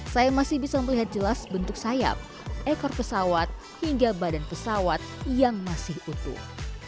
saya masih bisa melihat jelas bentuk sayap ekor pesawat hingga badan pesawat yang masih utuh